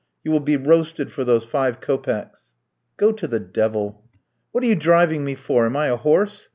You will be roasted for those five kopecks." "Go to the devil." "What are you driving me for? Am I a horse?"